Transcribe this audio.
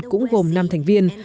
cũng gồm năm thành viên